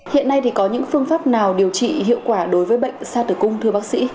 hiện nay thì có những phương pháp nào điều trị hiệu quả đối với bệnh sa tử cung thưa bác sĩ